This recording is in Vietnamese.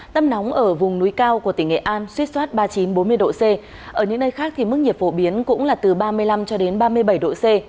tâm nóng ở vùng núi cao của tỉnh nghệ an suy soát ba mươi chín bốn mươi độ c ở những nơi khác thì mức nhiệt phổ biến cũng là từ ba mươi năm cho đến ba mươi bảy độ c